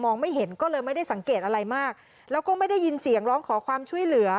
ไม่เห็นก็เลยไม่ได้สังเกตอะไรมากแล้วก็ไม่ได้ยินเสียงร้องขอความช่วยเหลือ